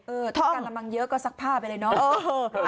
เออถ้ากะละมังเยอะก็ซักผ้าไปเลยเนอะเออ